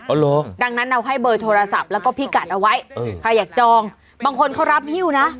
เหรอดังนั้นเราให้เบอร์โทรศัพท์แล้วก็พิกัดเอาไว้เออใครอยากจองบางคนเขารับฮิ้วนะ